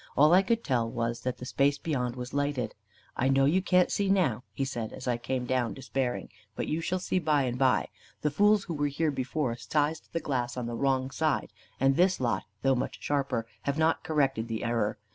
All I could tell was, that the space beyond was lighted. "I know you can't see now," he said, as I came down despairing, "but you shall see by and by. The fools who were here before sized the glass on the wrong side, and this lot, though much sharper, have not corrected the error.